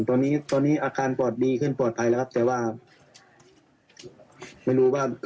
ตอนนี้ตอนนี้อาการปลอดภัยสักอย่างปลอดภัยครับแต่ว่าไม่รู้ว่ามั้ย